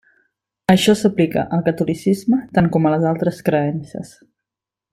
Això s'aplica al catolicisme tant com a les altres creences.